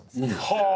はあ！